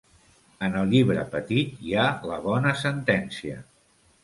En el llibre petit hi ha la bona sentència.